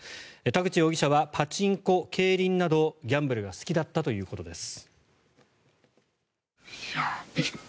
田口容疑者はパチンコ、競輪などギャンブルが好きだったということです。